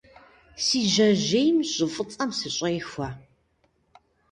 Си жьэжьейм щӀы фӀыцӀэм сыщӀехуэ.